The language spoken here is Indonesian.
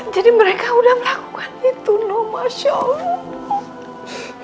jadi mereka udah melakukan itu noh masya allah